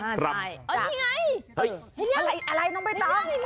อ๋อนี่ไงอะไรน้องใบตองอะไรของคุณ